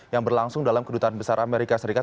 yang berlangsung dalam kedutaan besar amerika serikat